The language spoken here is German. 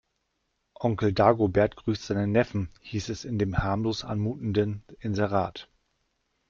Onkel Dagobert grüßt seinen Neffen, hieß es in dem harmlos anmutenden Inserat.